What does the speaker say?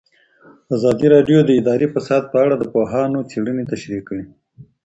ازادي راډیو د اداري فساد په اړه د پوهانو څېړنې تشریح کړې.